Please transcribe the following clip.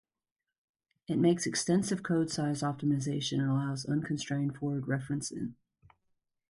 It makes extensive code-size optimization and allows unconstrained forward referencing.